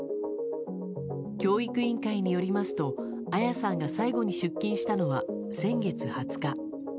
教育委員会によりますと彩さんが最後に出勤したのは先月２０日。